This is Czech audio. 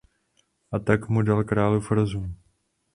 A tak mu dal králův rozum.